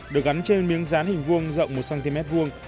được gắn trên miếng rán hình vuông rộng một cm vuông